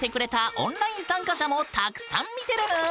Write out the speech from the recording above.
オンライン参加者もたくさん見てるぬん！